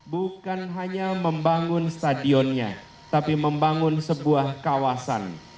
bukan hanya membangun stadionnya tapi membangun sebuah kawasan